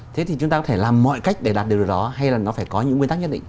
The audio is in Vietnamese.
thế thì chúng ta có thể làm mọi cách để đạt được điều đó hay là nó phải có những nguyên tắc nhất định